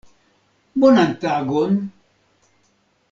Bonan tagon!